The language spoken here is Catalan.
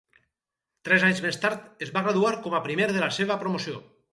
Tres anys més tard, es va graduar com a primer de la seva promoció.